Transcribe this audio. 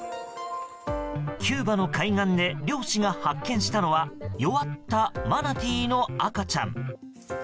キューバの海岸で漁師が発見したのは弱ったマナティーの赤ちゃん。